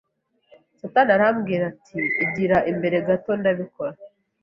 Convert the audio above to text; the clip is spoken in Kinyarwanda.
Satani arambwira ati igira imbere gato ndabikora,